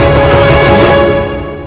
ini temen saya pak